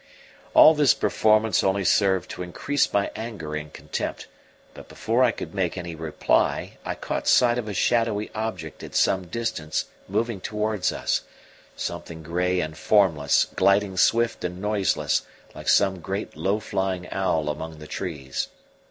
All this performance only served to increase my anger and contempt; but before I could make any reply I caught sight of a shadowy object at some distance moving towards us something grey and formless, gliding swift and noiseless, like some great low flying owl among the trees.